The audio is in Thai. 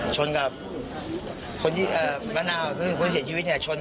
ชนกับคนที่เสียชีวิตเนี่ยชนกัน